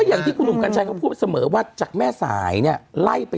ก็อย่างที่คุณหนุ่มกัญชัยเขาพูดเสมอว่า